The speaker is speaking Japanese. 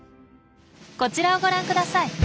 こちらをご覧ください。